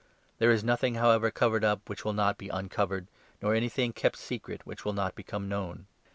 There is nothing, however covered up, which will not be uncovered, nor anything kept secret which will not become known.